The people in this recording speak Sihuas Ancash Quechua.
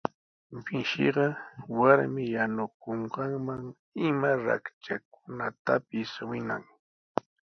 Mishiqa warmi yanukunqanman ima raktrakunatapis winan.